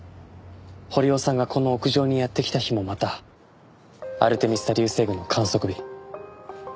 堀尾さんがこの屋上にやって来た日もまたアルテミス座流星群の観測日。